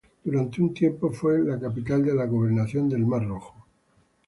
Durante un tiempo fue la capital de la Gobernación del Mar Rojo.